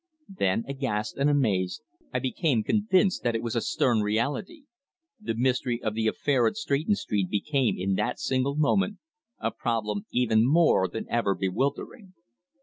Then, aghast and amazed, I became convinced that it was a stern reality. The mystery of the affair at Stretton Street became in that single moment a problem even more than ever bewildering.